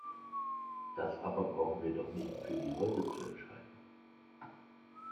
Das aber brauchen wir doch nicht für die Leute zu entscheiden?